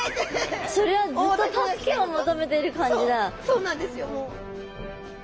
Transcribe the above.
そうなんですよもう。